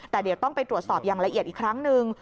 แต่เดี๋ยวต้องไปตรวจสอบอย่างละเอียดอีกครั้งหนึ่ง